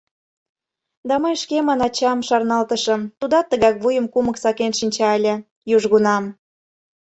Да мый шкемын ачам шарналтышым, тудат тыгак вуйым кумык сакен шинча ыле... южгунам.